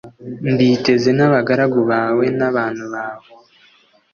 mbiteze n abagaragu bawe n abantu bawe